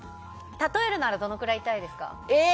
例えるならどれぐらい痛いですか？